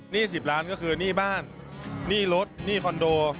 ๑๐ล้านก็คือหนี้บ้านหนี้รถหนี้คอนโด